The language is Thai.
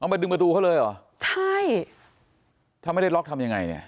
มาดึงประตูเขาเลยเหรอใช่ถ้าไม่ได้ล็อกทำยังไงเนี่ย